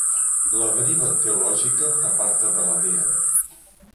La deriva teològica t'aparta de la dea.